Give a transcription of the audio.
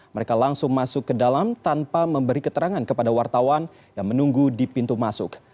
mereka langsung masuk ke dalam tanpa memberi keterangan kepada wartawan yang menunggu di pintu masuk